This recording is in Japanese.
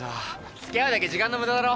つきあうだけ時間の無駄だろ。